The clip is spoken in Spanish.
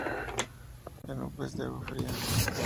Es un pez de agua fría.